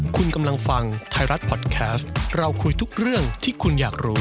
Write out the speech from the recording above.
คุณกำลังฟังไทยรัฐพอดแคสต์เราคุยทุกเรื่องที่คุณอยากรู้